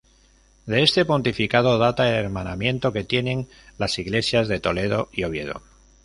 De este pontificado data el hermanamiento que tienen las iglesias de Toledo y Oviedo.